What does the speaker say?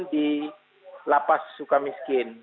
di lapas sukamiskin